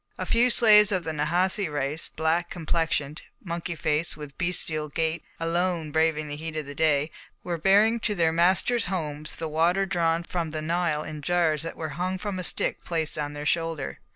A few slaves of the Nahasi race, black complexioned, monkey faced, with bestial gait, alone braving the heat of the day, were bearing to their masters' homes the water drawn from the Nile in jars that were hung from a stick placed on their shoulder.